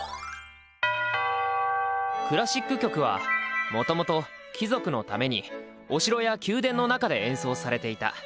クラシック曲はもともと貴族のためにお城や宮殿の中で演奏されていた。